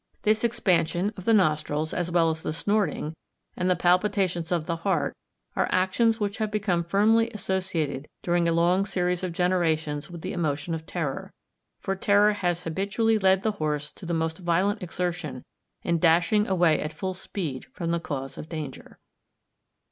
This expansion of the nostrils, as well as the snorting, and the palpitations of the heart, are actions which have become firmly associated during a long series of generations with the emotion of terror; for terror has habitually led the horse to the most violent exertion in dashing away at full speed from the cause of danger.